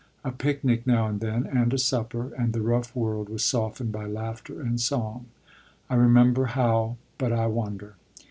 A picnic now and then, and a supper, and the rough world was softened by laughter and song. I remember how but I wander.